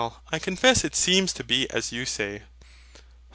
I confess it seems to be as you say.